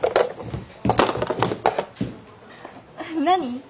何？